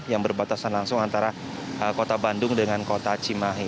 yang berbatasan langsung antara kota bandung dengan kota cimahi